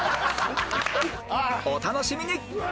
お楽しみに！